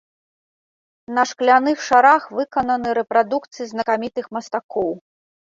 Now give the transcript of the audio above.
На шкляных шарах выкананы рэпрадукцыі знакамітых мастакоў.